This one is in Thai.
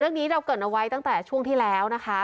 เราเกิดเอาไว้ตั้งแต่ช่วงที่แล้วนะคะ